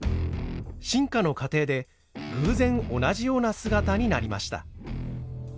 進化の過程で偶然同じような姿になりました。